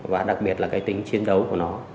và đặc biệt là cái tính chiến đấu của nó